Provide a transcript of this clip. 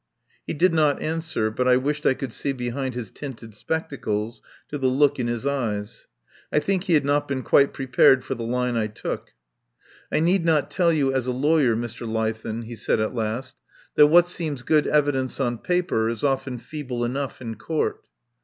He did not answer, but I wished I could see behind his tinted spectacles to the look in his eyes. I think he had not been quite pre pared for the line I took. "I need not tell you as a lawyer, Mr. Lei 192 THE POWER HOUSE then," he said at last, "that what seems good evidence on paper is often feeble enough in Court.